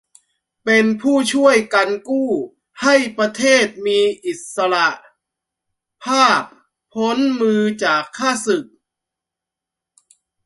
เป็นผู้ช่วยกันกู้ให้ประเทศมีอิสสรภาพพ้นมือจากข้าศึก